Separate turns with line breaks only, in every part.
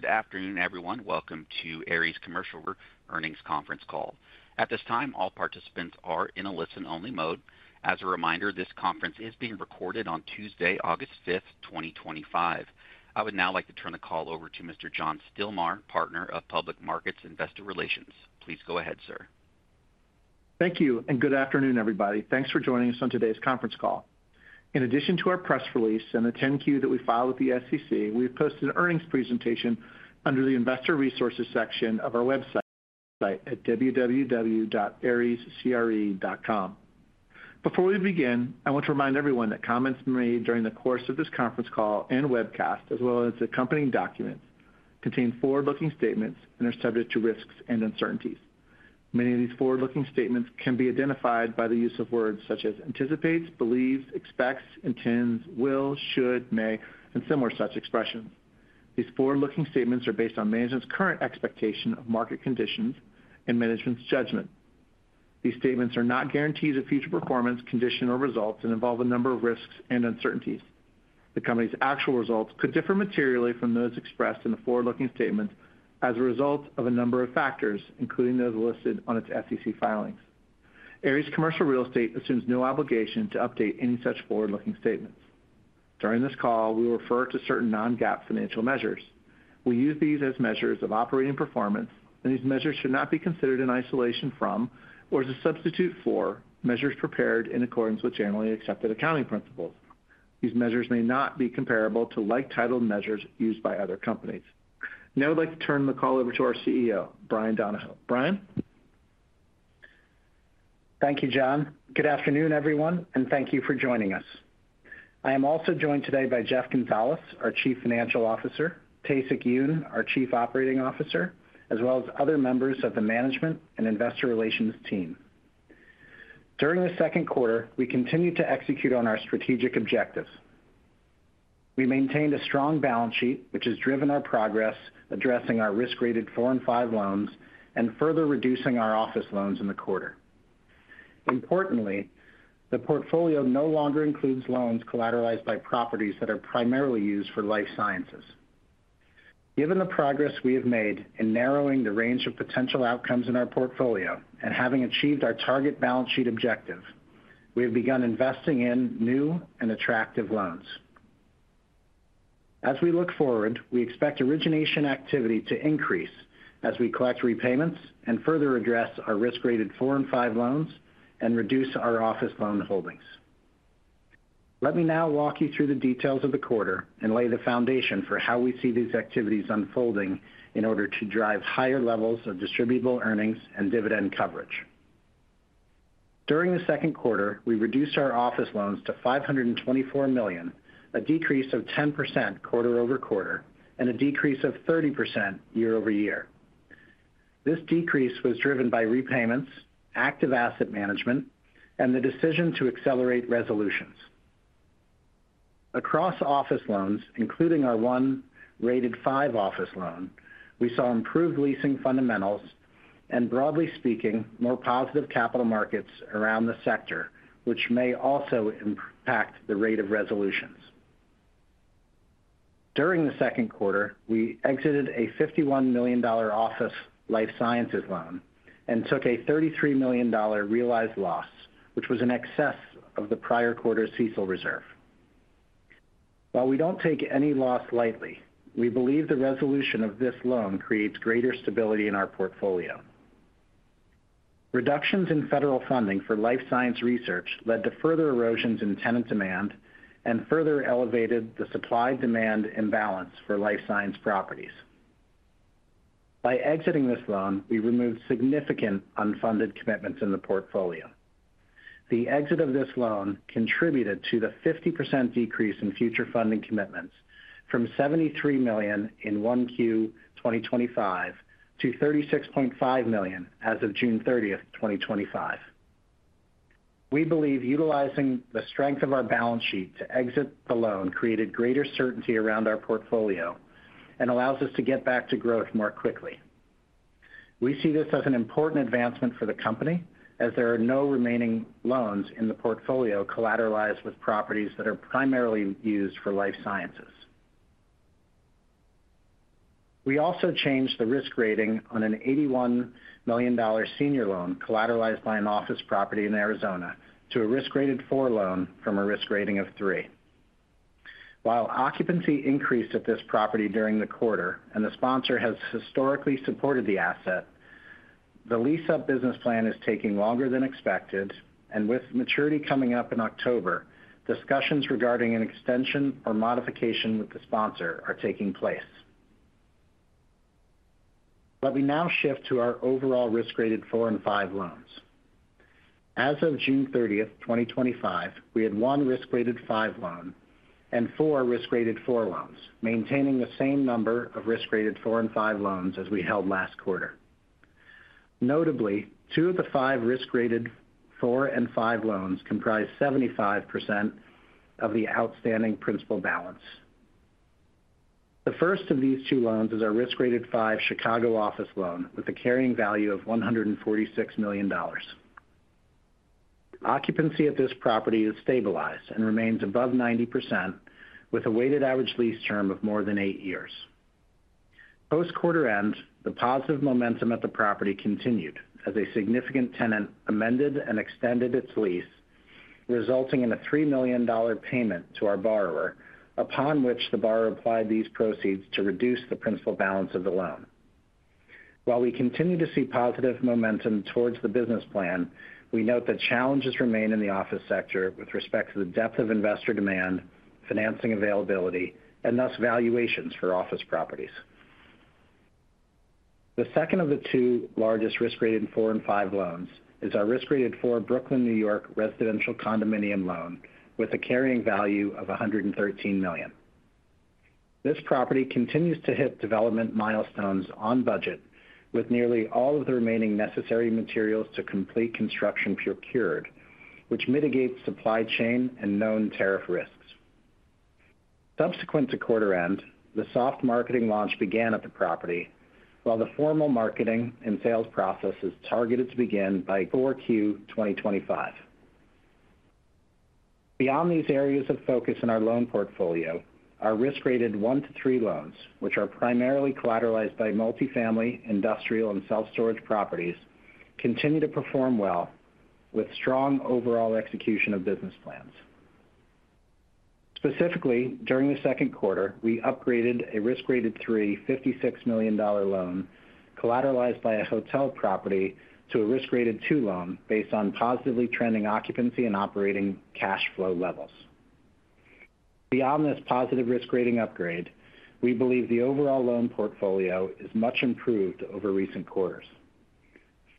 Good afternoon, everyone. Welcome to Ares Commercial's Earnings Conference Call. At this time, all participants are in a listen-only mode. As a reminder, this conference is being recorded on Tuesday, August 5th, 2025. I would now like to turn the call over to Mr. John Stilmar, Partner of Public Markets Investor Relations. Please go ahead, sir.
Thank you, and good afternoon, everybody. Thanks for joining us on today's conference call. In addition to our press release and the 10-Q that we filed with the SEC, we have posted an earnings presentation under the investor resources section of our website at www.arescre.com. Before we begin, I want to remind everyone that comments made during the course of this conference call and webcast, as well as the accompanying documents, contain forward-looking statements and are subject to risks and uncertainties. Many of these forward-looking statements can be identified by the use of words such as anticipates, believes, expects, intends, will, should, may, and similar such expressions. These forward-looking statements are based on management's current expectation of market conditions and management's judgment. These statements are not guarantees of future performance, condition, or results and involve a number of risks and uncertainties. The company's actual results could differ materially from those expressed in the forward-looking statements as a result of a number of factors, including those listed on its SEC filings. Ares Commercial Real Estate assumes no obligation to update any such forward-looking statements. During this call, we will refer to certain non-GAAP financial measures. We use these as measures of operating performance, and these measures should not be considered in isolation from or as a substitute for measures prepared in accordance with generally accepted accounting principles. These measures may not be comparable to like-titled measures used by other companies. Now I'd like to turn the call over to our CEO, Bryan Donohoe. Bryan.
Thank you, John. Good afternoon, everyone, and thank you for joining us. I am also joined today by Jeff Gonzales, our Chief Financial Officer; Tae-Sik Yoon, our Chief Operating Officer; as well as other members of the management and investor relations team. During the second quarter, we continued to execute on our strategic objectives. We maintained a strong balance sheet, which has driven our progress addressing our risk-rated 4 and 5 loans and further reducing our office loans in the quarter. Importantly, the portfolio no longer includes loans collateralized by properties that are primarily used for life sciences. Given the progress we have made in narrowing the range of potential outcomes in our portfolio and having achieved our target balance sheet objective, we have begun investing in new and attractive loans. As we look forward, we expect origination activity to increase as we collect repayments and further address our risk-rated 4 and 5 loans and reduce our office loan holdings. Let me now walk you through the details of the quarter and lay the foundation for how we see these activities unfolding in order to drive higher levels of distributable earnings and dividend coverage. During the second quarter, we reduced our office loans to $524 million, a decrease of 10% quarter-over-quarter and a decrease of 30% year-over-year. This decrease was driven by repayments, active asset management, and the decision to accelerate resolutions. Across office loans, including our one rated 5 office loan, we saw improved leasing fundamentals and, broadly speaking, more positive capital markets around the sector, which may also impact the rate of resolutions. During the second quarter, we exited a $51 million office life sciences loan and took a $33 million realized loss, which was in excess of the prior quarter's CECL reserve. While we don't take any loss lightly, we believe the resolution of this loan creates greater stability in our portfolio. Reductions in federal funding for life science research led to further erosions in tenant demand and further elevated the supply-demand imbalance for life science properties. By exiting this loan, we removed significant unfunded commitments in the portfolio. The exit of this loan contributed to the 50% decrease in future funding commitments from $73 million in Q1 2025 to $36.5 million as of June 30th, 2025. We believe utilizing the strength of our balance sheet to exit the loan created greater certainty around our portfolio and allows us to get back to growth more quickly. We see this as an important advancement for the company as there are no remaining loans in the portfolio collateralized with properties that are primarily used for life sciences. We also changed the risk rating on an $81 million senior loan collateralized by an office property in Arizona to a risk-rated 4 loan from a risk rating of 3. While occupancy increased at this property during the quarter and the sponsor has historically supported the asset, the lease-up business plan is taking longer than expected, and with maturity coming up in October, discussions regarding an extension or modification with the sponsor are taking place. Let me now shift to our overall risk-rated 4 and 5 loans. As of June 30th, 2025, we had one risk-rated 5 loan and four risk-rated 4 loans, maintaining the same number of risk-rated 4 and 5 loans as we held last quarter. Notably, two of the five risk-rated 4 and 5 loans comprise 75% of the outstanding principal balance. The first of these two loans is our risk-rated 5 Chicago office loan with a carrying value of $146 million. Occupancy at this property is stabilized and remains above 90% with a weighted average lease term of more than eight years. Post-quarter end, the positive momentum at the property continued as a significant tenant amended and extended its lease, resulting in a $3 million payment to our borrower, upon which the borrower applied these proceeds to reduce the principal balance of the loan. While we continue to see positive momentum towards the business plan, we note that challenges remain in the office sector with respect to the depth of investor demand, financing availability, and thus valuations for office properties. The second of the two largest risk-rated 4 and 5 loans is our risk-rated 4 Brooklyn, New York residential condominium loan with a carrying value of $113 million. This property continues to hit development milestones on budget with nearly all of the remaining necessary materials to complete construction procured, which mitigates supply chain and known tariff risks. Subsequent to quarter end, the soft marketing launch began at the property, while the formal marketing and sales process is targeted to begin by 4Q 2025. Beyond these areas of focus in our loan portfolio, our risk-rated 1-3 loans, which are primarily collateralized by multifamily, industrial, and self-storage properties, continue to perform well with strong overall execution of business plans. Specifically, during the second quarter, we upgraded a risk-rated 3 $56 million loan collateralized by a hotel property to a risk-rated 2 loan based on positively trending occupancy and operating cash flow levels. Beyond this positive risk-rating upgrade, we believe the overall loan portfolio is much improved over recent quarters.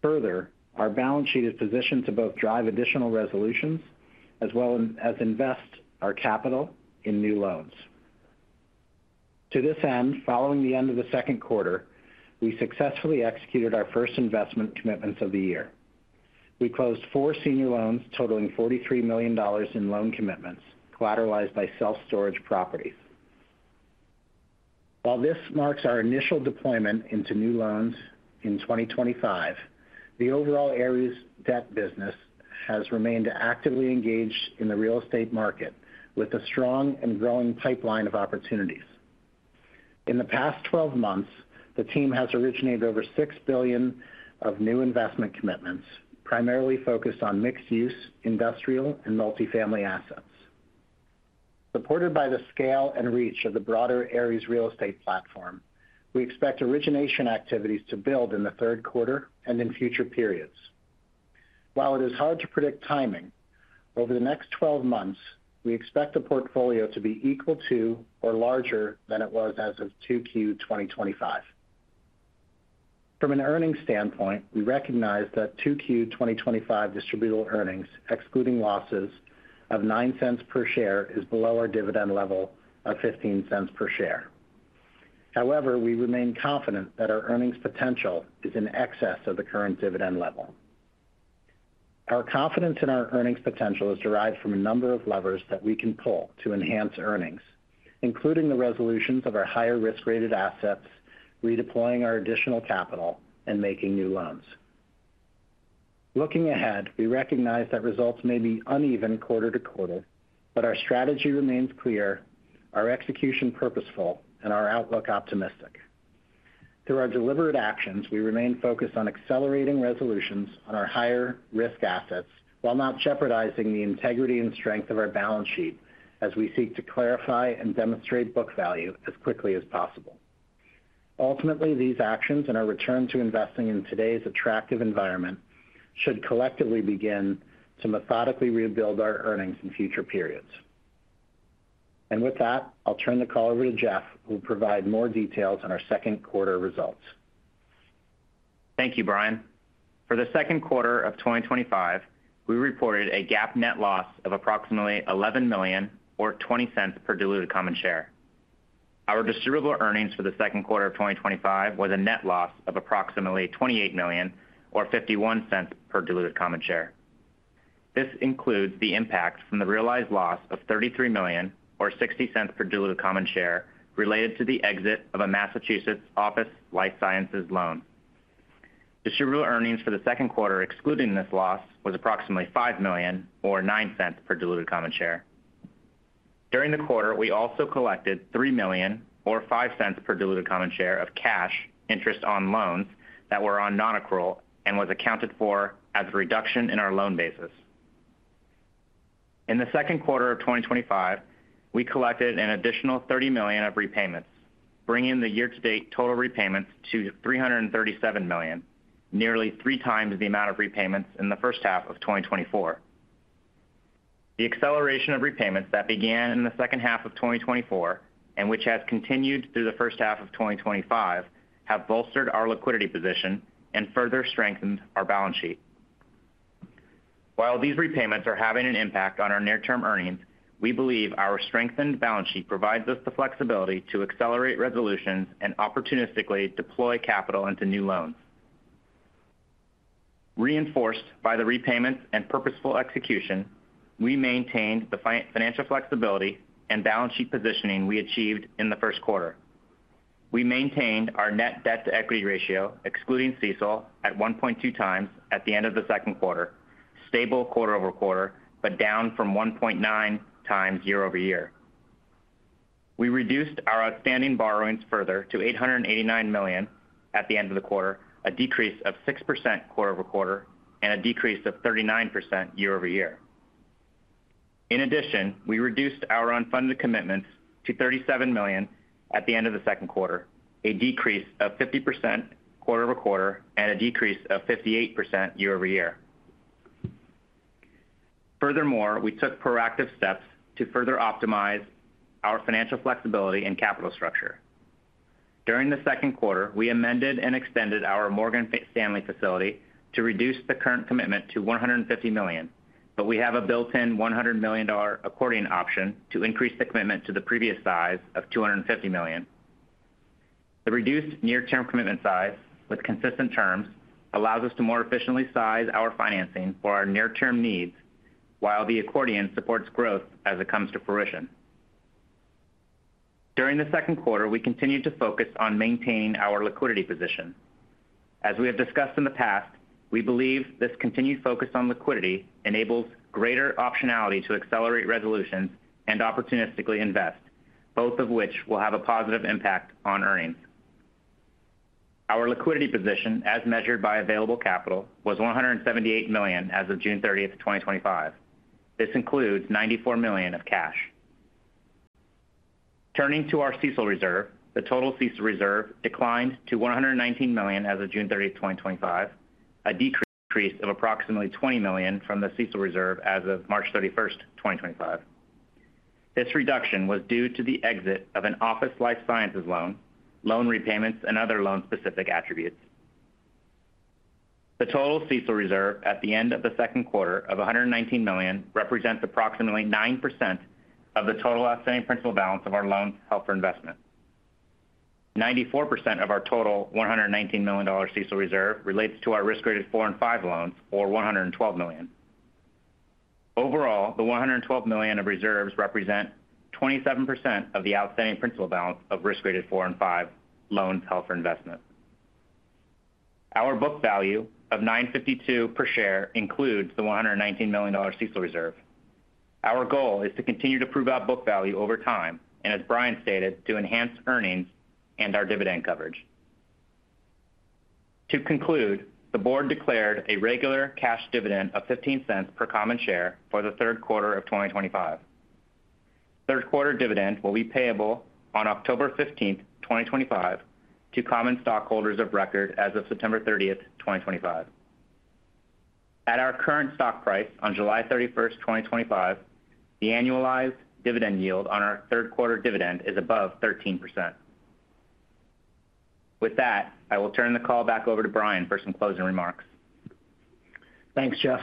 Further, our balance sheet is positioned to both drive additional resolutions as well as invest our capital in new loans. To this end, following the end of the second quarter, we successfully executed our first investment commitments of the year. We closed four senior loans totaling $43 million in loan commitments collateralized by self-storage properties. While this marks our initial deployment into new loans in 2025, the overall Ares debt business has remained actively engaged in the real estate market with a strong and growing pipeline of opportunities. In the past 12 months, the team has originated over $6 billion of new investment commitments, primarily focused on mixed-use, industrial, and multifamily assets. Supported by the scale and reach of the broader Ares Real Estate platform, we expect origination activities to build in the third quarter and in future periods. While it is hard to predict timing, over the next 12 months, we expect the portfolio to be equal to or larger than it was as of 2Q 2025. From an earnings standpoint, we recognize that 2Q 2025 distributable earnings, excluding losses, of $0.09 per share is below our dividend level of $0.15 per share. However, we remain confident that our earnings potential is in excess of the current dividend level. Our confidence in our earnings potential is derived from a number of levers that we can pull to enhance earnings, including the resolutions of our higher risk-rated assets, redeploying our additional capital, and making new loans. Looking ahead, we recognize that results may be uneven quarter to quarter, but our strategy remains clear, our execution purposeful, and our outlook optimistic. Through our deliberate actions, we remain focused on accelerating resolutions on our higher risk assets while not jeopardizing the integrity and strength of our balance sheet as we seek to clarify and demonstrate book value as quickly as possible. Ultimately, these actions and our return to investing in today's attractive environment should collectively begin to methodically rebuild our earnings in future periods. I will turn the call over to Jeff, who will provide more details on our second quarter results.
Thank you, Bryan. For the second quarter of 2025, we reported a GAAP net loss of approximately $11 million or $0.20 per diluted common share. Our distributable earnings for the second quarter of 2025 were the net loss of approximately $28 million or $0.51 per diluted common share. This includes the impact from the realized loss of $33 million or $0.60 per diluted common share related to the exit of a Massachusetts office life sciences loan. Distributable earnings for the second quarter excluding this loss was approximately $5 million or $0.09 per diluted common share. During the quarter, we also collected $3 million or $0.05 per diluted common share of cash interest on loans that were on non-accrual and was accounted for as a reduction in our loan basis. In the second quarter of 2025, we collected an additional $30 million of repayments, bringing the year-to-date total repayments to $337 million, nearly 3x the amount of repayments in the first half of 2024. The acceleration of repayments that began in the second half of 2024 and which has continued through the first half of 2025 have bolstered our liquidity position and further strengthened our balance sheet. While these repayments are having an impact on our near-term earnings, we believe our strengthened balance sheet provides us the flexibility to accelerate resolutions and opportunistically deploy capital into new loans. Reinforced by the repayments and purposeful execution, we maintained the financial flexibility and balance sheet positioning we achieved in the first quarter. We maintained our net debt-to-equity ratio, excluding CECL, at 1.2x at the end of the second quarter, stable quarter-over-quarter, but down from 1.9x year-over-year. We reduced our outstanding borrowings further to $889 million at the end of the quarter, a decrease of 6% quarter-over-quarter, and a decrease of 39% year-over-year. In addition, we reduced our unfunded commitments to $37 million at the end of the second quarter, a decrease of 50% quarter-over-quarter, and a decrease of 58% year-over-year. Furthermore, we took proactive steps to further optimize our financial flexibility and capital structure. During the second quarter, we amended and extended our Morgan Stanley facility to reduce the current commitment to $150 million, but we have a built-in $100 million accordion option to increase the commitment to the previous size of $250 million. The reduced near-term commitment size with consistent terms allows us to more efficiently size our financing for our near-term needs while the accordion supports growth as it comes to fruition. During the second quarter, we continued to focus on maintaining our liquidity position. As we have discussed in the past, we believe this continued focus on liquidity enables greater optionality to accelerate resolutions and opportunistically invest, both of which will have a positive impact on earnings. Our liquidity position, as measured by available capital, was $178 million as of June 30th, 2025. This includes $94 million of cash. Turning to our CECL reserve, the total CECL reserve declined to $119 million as of June 30th, 2025, a decrease of approximately $20 million from the CECL reserve as of March 31st, 2025. This reduction was due to the exit of an office life sciences loan, loan repayments, and other loan-specific attributes. The total CECL reserve at the end of the second quarter of $119 million represents approximately 9% of the total outstanding principal balance of our loans held for investment. 94% of our total $119 million CECL reserve relates to our risk-rated 4–5 loans or $112 million. Overall, the $112 million of reserves represent 27% of the outstanding principal balance of risk-rated 4–5 loans held for investment. Our book value of $9.52 per share includes the $119 million CECL reserve. Our goal is to continue to prove out book value over time and, as Bryan stated, to enhance earnings and our dividend coverage. To conclude, the board declared a regular cash dividend of $0.15 per common share for the third quarter of 2025. Third quarter dividend will be payable on October 15th, 2025, to common stockholders of record as of September 30th, 2025. At our current stock price on July 31st, 2025, the annualized dividend yield on our third quarter dividend is above 13%. With that, I will turn the call back over to Bryan for some closing remarks.
Thanks, Jeff.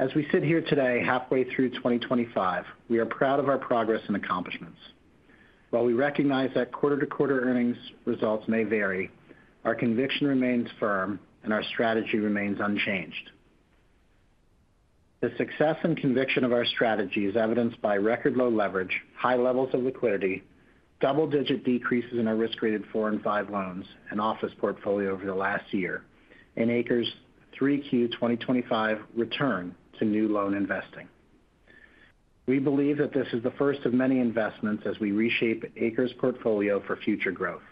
As we sit here today halfway through 2025, we are proud of our progress and accomplishments. While we recognize that quarter-to-quarter earnings results may vary, our conviction remains firm and our strategy remains unchanged. The success and conviction of our strategy is evidenced by record low leverage, high levels of liquidity, double-digit decreases in our risk-rated 4 and 5 loans and office portfolio over the last year, and ACRE's 3Q 2025 return to new loan investing. We believe that this is the first of many investments as we reshape ACRE's portfolio for future growth.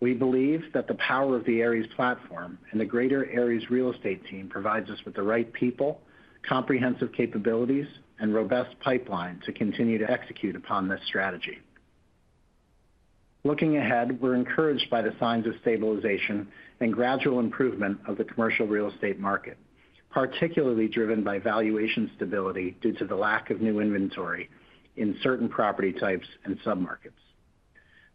We believe that the power of the Ares platform and the greater Ares Real Estate team provides us with the right people, comprehensive capabilities, and robust pipeline to continue to execute upon this strategy. Looking ahead, we're encouraged by the signs of stabilization and gradual improvement of the commercial real estate market, particularly driven by valuation stability due to the lack of new inventory in certain property types and submarkets.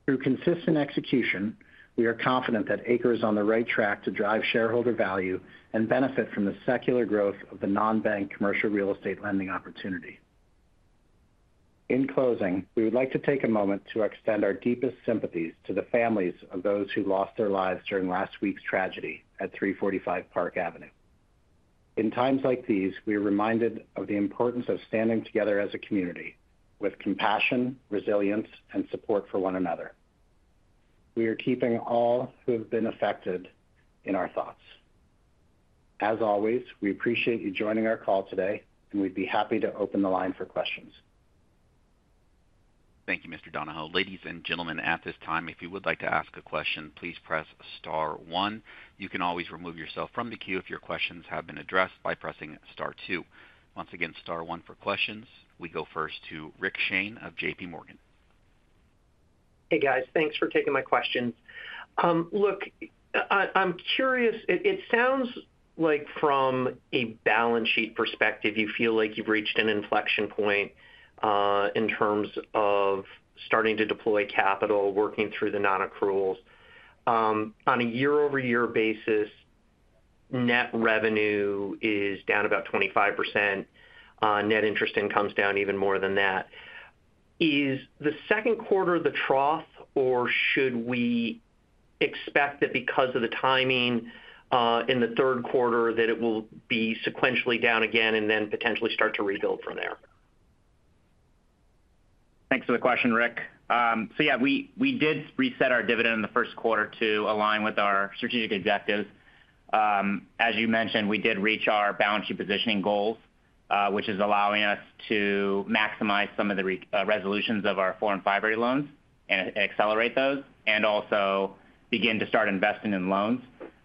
Through consistent execution, we are confident that ACRE is on the right track to drive shareholder value and benefit from the secular growth of the non-bank commercial real estate lending opportunity. In closing, we would like to take a moment to extend our deepest sympathies to the families of those who lost their lives during last week's tragedy at 345 Park Avenue. In times like these, we are reminded of the importance of standing together as a community with compassion, resilience, and support for one another. We are keeping all who have been affected in our thoughts. As always, we appreciate you joining our call today, and we'd be happy to open the line for questions.
Thank you, Mr. Donohoe. Ladies and gentlemen, at this time, if you would like to ask a question, please press star one. You can always remove yourself from the queue if your questions have been addressed by pressing star two. Once again, star one for questions. We go first to Rick Shane of JPMorgan.
Hey, guys. Thanks for taking my questions. I'm curious. It sounds like from a balance sheet perspective, you feel like you've reached an inflection point, in terms of starting to deploy capital, working through the non-accruals. On a year-over-year basis, net revenue is down about 25%. Net interest income is down even more than that. Is the second quarter the trough, or should we expect that because of the timing, in the third quarter that it will be sequentially down again and then potentially start to rebuild from there?
Thanks for the question, Rick. Yeah, we did reset our dividend in the first quarter to align with our strategic objectives. As you mentioned, we did reach our balance sheet positioning goals, which is allowing us to maximize some of the resolutions of our 4 and 5 rate loans and accelerate those and also begin to start investing in loans.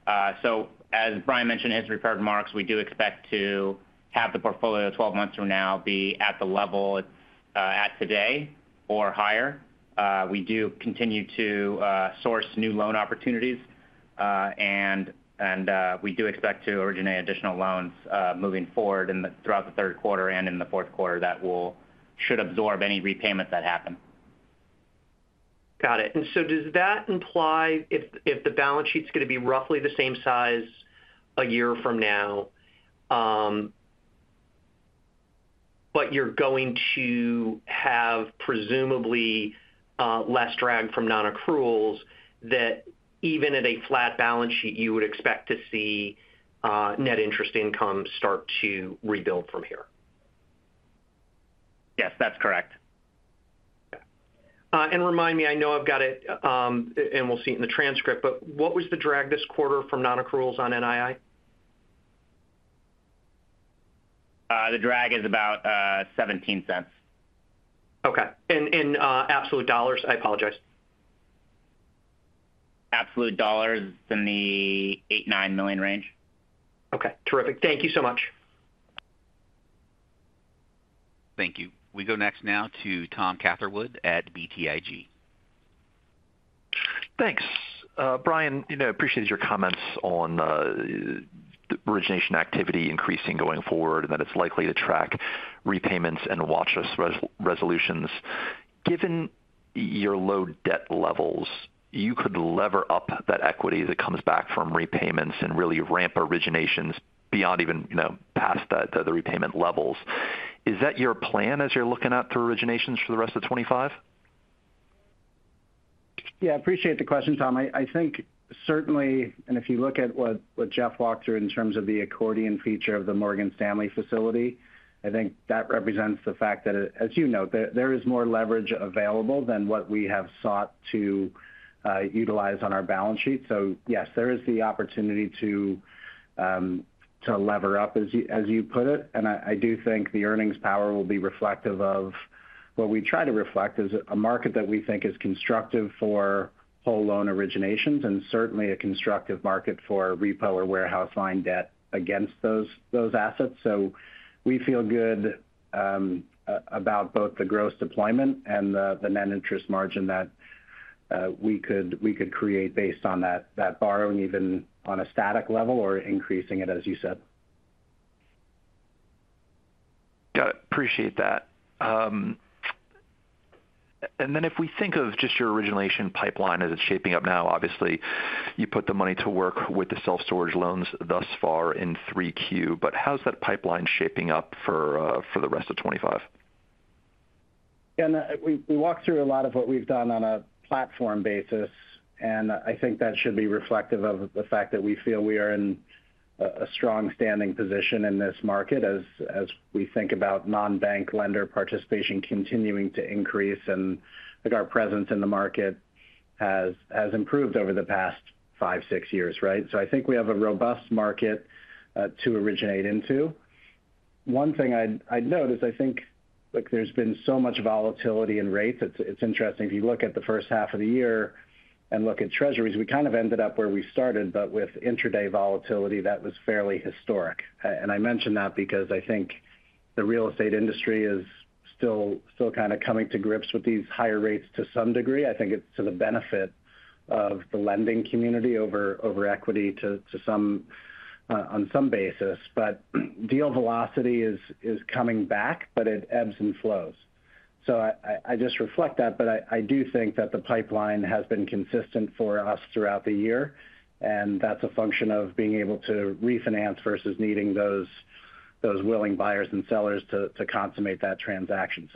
As Bryan mentioned in his prepared remarks, we do expect to have the portfolio 12 months from now be at the level it's at today or higher. We do continue to source new loan opportunities, and we do expect to originate additional loans moving forward throughout the third quarter and in the fourth quarter that should absorb any repayment that happened.
Does that imply if the balance sheet is going to be roughly the same size a year from now, but you're going to have presumably less drag from non-accruals, that even at a flat balance sheet you would expect to see net interest income start to rebuild from here?
Yes, that's correct.
Okay. Remind me, I know I've got it, and we'll see it in the transcript, but what was the drag this quarter from non-accruals on NII?
The drag is about $0.17.
Okay. In absolute dollars, I apologize.
Absolute dollars, it's in the $8 million–$9 million range.
Okay. Terrific. Thank you so much.
Thank you. We go next now to Tom Catherwood at BTIG.
Thanks. Bryan, I appreciated your comments on the origination activity increasing going forward and that it's likely to track repayments and watch list resolutions. Given your low debt levels, you could lever up that equity as it comes back from repayments and really ramp originations beyond even past the repayment levels. Is that your plan as you're looking out to originations for the rest of 2025?
Yeah, I appreciate the question, Tom. I think certainly, if you look at what Jeff walked through in terms of the accordion feature of the Morgan Stanley facility, I think that represents the fact that, as you note, there is more leverage available than what we have sought to utilize on our balance sheet. Yes, there is the opportunity to lever up, as you put it. I do think the earnings power will be reflective of what we try to reflect is a market that we think is constructive for whole loan originations and certainly a constructive market for repo or warehouse line debt against those assets. We feel good about both the gross deployment and the net interest margin that we could create based on that borrowing even on a static level or increasing it, as you said.
Got it. Appreciate that. If we think of just your origination pipeline as it's shaping up now, obviously, you put the money to work with the self-storage loans thus far in 3Q, but how's that pipeline shaping up for the rest of 2025?
Yeah, we walked through a lot of what we've done on a platform basis, and I think that should be reflective of the fact that we feel we are in a strong standing position in this market as we think about non-bank lender participation continuing to increase. I think our presence in the market has improved over the past five, six years, right? I think we have a robust market to originate into. One thing I'd note is I think there's been so much volatility in rates. It's interesting. If you look at the first half of the year and look at Treasuries, we kind of ended up where we started, but with intraday volatility that was fairly historic. I mention that because I think the real estate industry is still kind of coming to grips with these higher rates to some degree. I think it's to the benefit of the lending community over equity on some basis. Deal velocity is coming back, but it ebbs and flows. I just reflect that, but I do think that the pipeline has been consistent for us throughout the year, and that's a function of being able to refinance versus needing those willing buyers and sellers to consummate that transaction.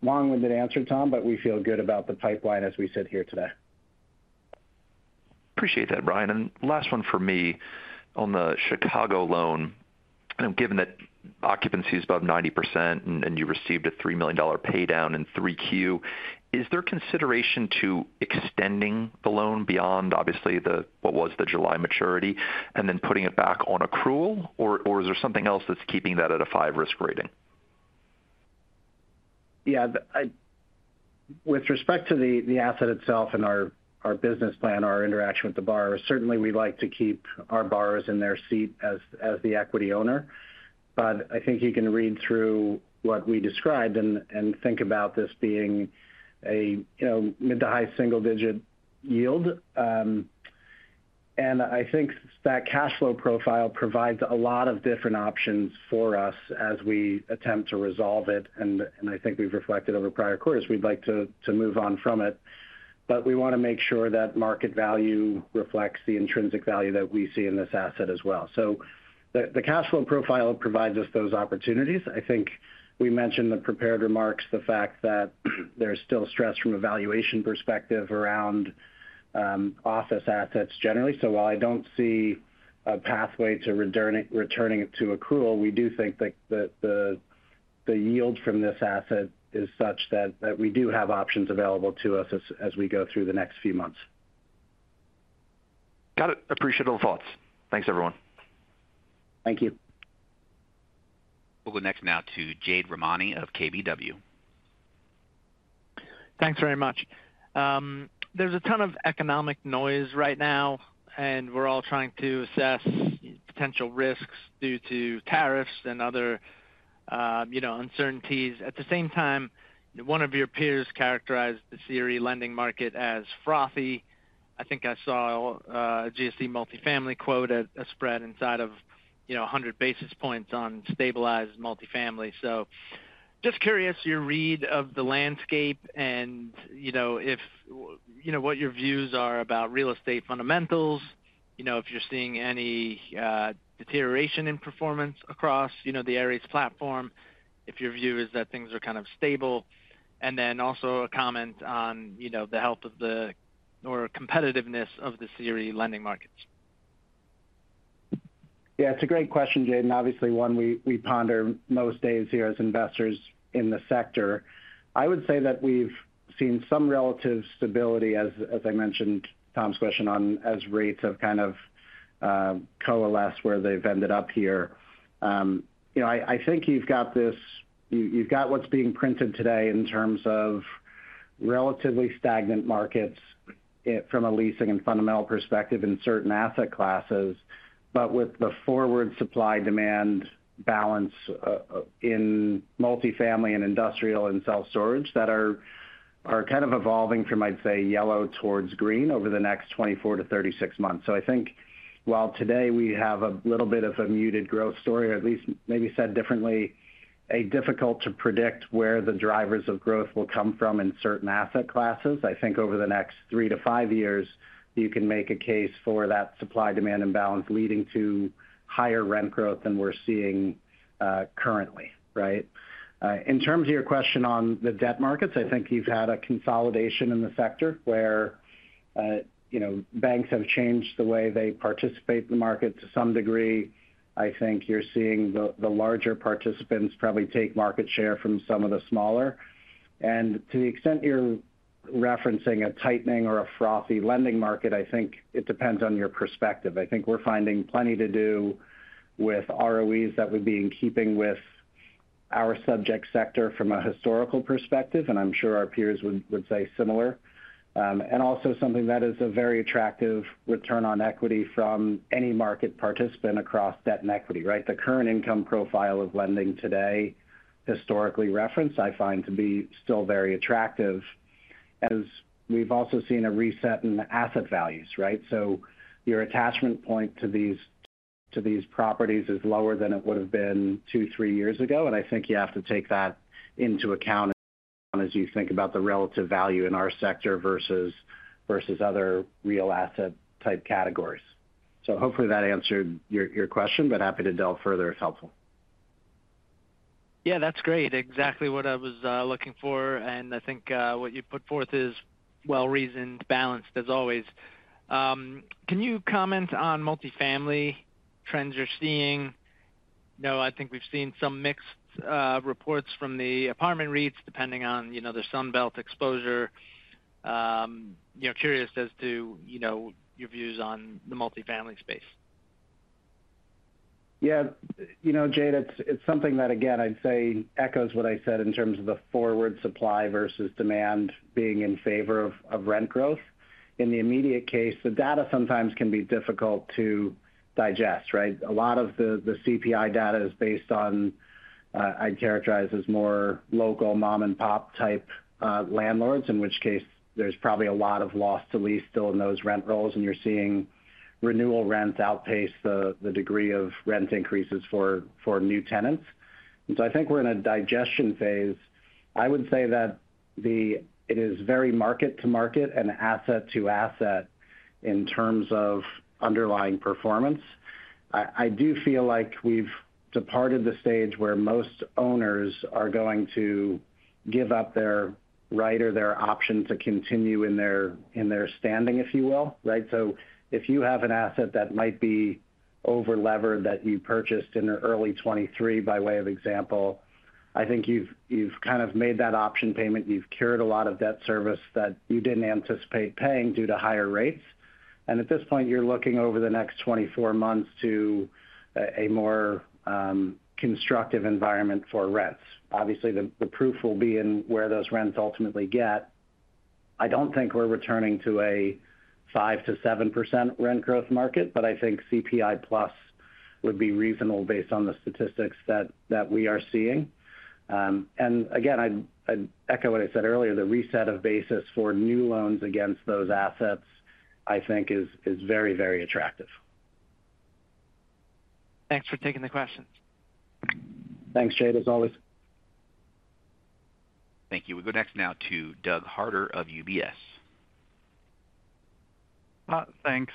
Long-winded answer, Tom, but we feel good about the pipeline as we sit here today.
Appreciate that, Bryan. Last one for me on the Chicago loan. I know given that occupancy is above 90% and you received a $3 million paydown in Q3, is there consideration to extending the loan beyond, obviously, what was the July maturity and then putting it back on accrual, or is there something else that's keeping that at a 5 risk rating?
Yeah, with respect to the asset itself and our business plan, our interaction with the borrower, certainly we'd like to keep our borrowers in their seat as the equity owner. I think you can read through what we described and think about this being a mid to high single-digit yield. I think that cash flow profile provides a lot of different options for us as we attempt to resolve it. I think we've reflected over prior quarters we'd like to move on from it. We want to make sure that market value reflects the intrinsic value that we see in this asset as well. The cash flow profile provides us those opportunities. I think we mentioned in the prepared remarks the fact that there's still stress from a valuation perspective around office assets generally. While I don't see a pathway to returning it to accrual, we do think that the yield from this asset is such that we do have options available to us as we go through the next few months.
Got it. Appreciate all the thoughts. Thanks, everyone.
Thank you.
We'll go next to Jade Rahmani of KBW.
Thanks very much. There's a ton of economic noise right now, and we're all trying to assess potential risks due to tariffs and other uncertainties. At the same time, one of your peers characterized the CRE lending market as frothy. I think I saw a GSE multifamily quote spread inside of 100 basis points on stabilized multifamily. Just curious your read of the landscape and what your views are about real estate fundamentals, if you're seeing any deterioration in performance across the Ares platform, if your view is that things are kind of stable, and also a comment on the health or competitiveness of the CRE lending markets.
Yeah, it's a great question, Jade, and obviously one we ponder most days here as investors in the sector. I would say that we've seen some relative stability, as I mentioned in Tom's question, as rates have kind of coalesced where they've ended up here. I think you've got what's being printed today in terms of relatively stagnant markets from a leasing and fundamental perspective in certain asset classes, but with the forward supply-demand balance in multifamily, industrial, and self-storage that are kind of evolving from, I'd say, yellow towards green over the next 24-36 months. I think while today we have a little bit of a muted growth story, or at least maybe said differently, it's difficult to predict where the drivers of growth will come from in certain asset classes. I think over the next three to five years, you can make a case for that supply-demand imbalance leading to higher rent growth than we're seeing currently, right? In terms of your question on the debt markets, I think you've had a consolidation in the sector where banks have changed the way they participate in the market to some degree. I think you're seeing the larger participants probably take market share from some of the smaller. To the extent you're referencing a tightening or a frothy lending market, I think it depends on your perspective. I think we're finding plenty to do with ROEs that would be in keeping with our subject sector from a historical perspective, and I'm sure our peers would say similar. Also, something that is a very attractive return on equity from any market participant across debt and equity, right? The current income profile of lending today, historically referenced, I find to be still very attractive, as we've also seen a reset in asset values, right? Your attachment point to these properties is lower than it would have been two, three years ago, and I think you have to take that into account as you think about the relative value in our sector versus other real asset type categories. Hopefully that answered your question, but happy to delve further if helpful.
Yeah, that's great. Exactly what I was looking for, and I think what you put forth is well-reasoned, balanced, as always. Can you comment on multifamily trends you're seeing? I think we've seen some mixed reports from the apartment REITs depending on their Sunbelt exposure. Curious as to your views on the multifamily space.
Yeah, you know, Jade, it's something that, again, I'd say echoes what I said in terms of the forward supply versus demand being in favor of rent growth. In the immediate case, the data sometimes can be difficult to digest, right? A lot of the CPI data is based on, I'd characterize as more local mom-and-pop type landlords, in which case there's probably a lot of loss to lease still in those rent rolls, and you're seeing renewal rents outpace the degree of rent increases for new tenants. I think we're in a digestion phase. I would say that it is very market to market and asset to asset in terms of underlying performance. I do feel like we've departed the stage where most owners are going to give up their right or their option to continue in their standing, if you will, right? If you have an asset that might be over-levered that you purchased in early 2023 by way of example, I think you've kind of made that option payment. You've cured a lot of debt service that you didn't anticipate paying due to higher rates. At this point, you're looking over the next 24 months to a more constructive environment for rents. Obviously, the proof will be in where those rents ultimately get. I don't think we're returning to a 5%-7% rent growth market, but I think CPI plus would be reasonable based on the statistics that we are seeing. I'd echo what I said earlier, the reset of basis for new loans against those assets, I think, is very, very attractive.
Thanks for taking the questions.
Thanks, Jade, as always.
Thank you. We go next now to Doug Harter of UBS.
Thanks.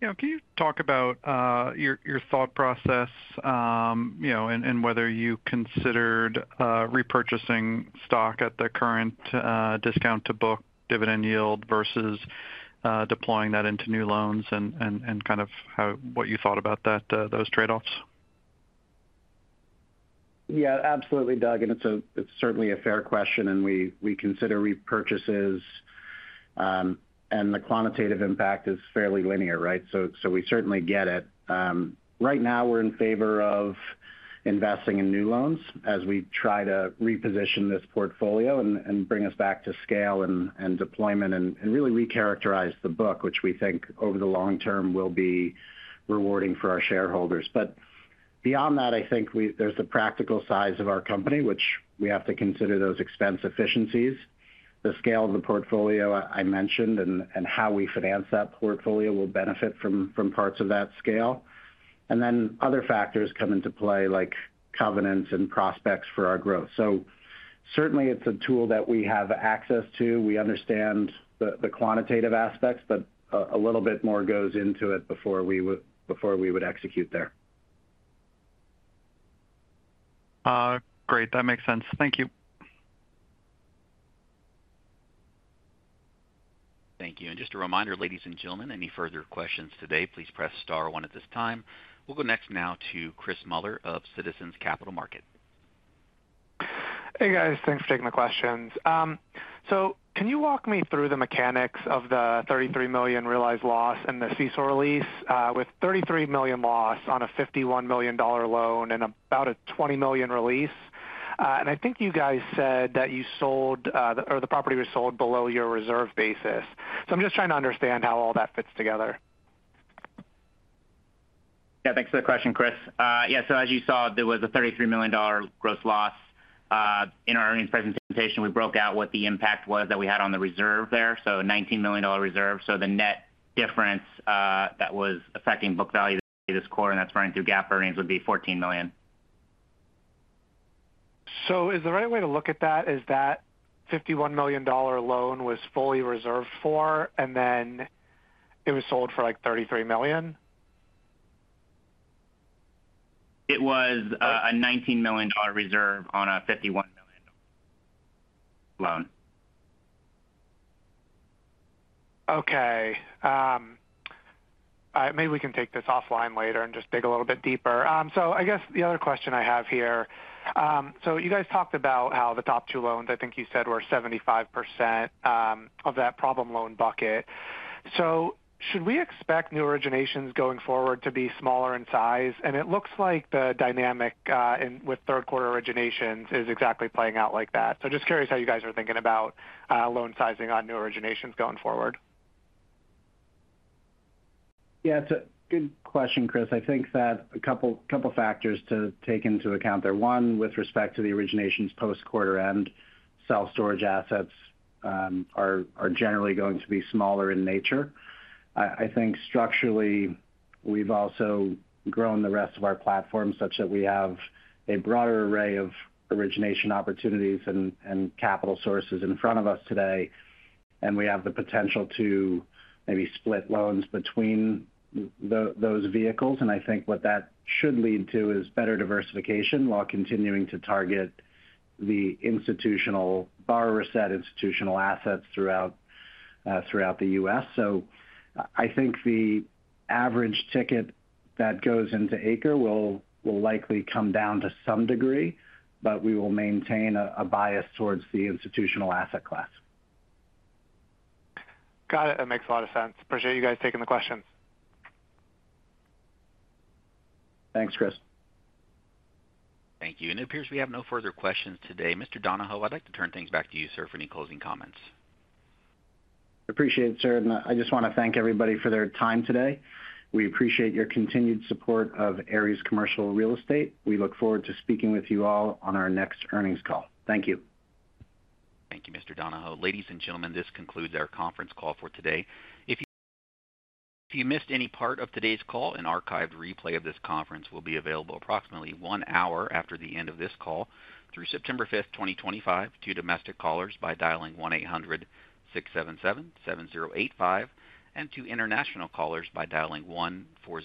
Can you talk about your thought process and whether you considered repurchasing stock at the current discount to book dividend yield versus deploying that into new loans, and what you thought about those trade-offs?
Yeah, absolutely, Doug. It's certainly a fair question, and we consider repurchases, and the quantitative impact is fairly linear, right? We certainly get it. Right now, we're in favor of investing in new loans as we try to reposition this portfolio and bring us back to scale and deployment and really recharacterize the book, which we think over the long term will be rewarding for our shareholders. Beyond that, I think there's the practical size of our company, which we have to consider, those expense efficiencies. The scale of the portfolio I mentioned and how we finance that portfolio will benefit from parts of that scale. Other factors come into play like covenants and prospects for our growth. It's a tool that we have access to. We understand the quantitative aspects, but a little bit more goes into it before we would execute there.
Great. That makes sense. Thank you.
Thank you. Just a reminder, ladies and gentlemen, any further questions today, please press star one at this time. We'll go next to Chris Muller of Citizens Capital Markets.
Hey, guys. Thanks for taking the questions. Can you walk me through the mechanics of the $33 million realized loss and the CECL release with $33 million loss on a $51 million loan and about a $20 million release? I think you guys said that you sold or the property was sold below your reserve basis. I'm just trying to understand how all that fits together.
Yeah, thanks for the question, Chris. As you saw, there was a $33 million gross loss. In our earnings presentation, we broke out what the impact was that we had on the reserve there. A $19 million reserve. The net difference that was affecting book value this quarter and that's running through GAAP earnings would be $14 million.
Is the right way to look at that is that $51 million loan was fully reserved for, and then it was sold for like $33 million?
It was a $19 million reserve on a $51 million loan.
Okay. Maybe we can take this offline later and dig a little bit deeper. I guess the other question I have here, you guys talked about how the top two loans, I think you said, were 75% of that problem loan bucket. Should we expect new originations going forward to be smaller in size? It looks like the dynamic with third quarter originations is exactly playing out like that. Just curious how you guys are thinking about loan sizing on new originations going forward.
Yeah, it's a good question, Chris. I think that a couple of factors to take into account there. One, with respect to the originations post-quarter end, self-storage assets are generally going to be smaller in nature. I think structurally, we've also grown the rest of our platform such that we have a broader array of origination opportunities and capital sources in front of us today. We have the potential to maybe split loans between those vehicles. I think what that should lead to is better diversification while continuing to target the institutional borrower set, institutional assets throughout the U.S. I think the average ticket that goes into ACRE will likely come down to some degree, but we will maintain a bias towards the institutional asset class.
Got it. That makes a lot of sense. Appreciate you guys taking the questions.
Thanks, Chris.
Thank you. It appears we have no further questions today. Mr. Donohoe, I'd like to turn things back to you, sir, for any closing comments.
I appreciate it, sir. I just want to thank everybody for their time today. We appreciate your continued support of Ares Commercial Real Estate. We look forward to speaking with you all on our next earnings call. Thank you.
Thank you, Mr. Donohoe. Ladies and gentlemen, this concludes our conference call for today. If you missed any part of today's call, an archived replay of this conference will be available approximately one hour after the end of this call through September 5th, 2025, to domestic callers by dialing one eight hundred six seven seven seven zero eight five and to international callers by dialing one four.